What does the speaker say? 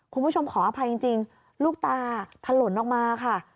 คุณผู้ชมขออภัยจริงลูกตาถล่นออกมาค่ะ